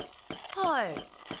はい。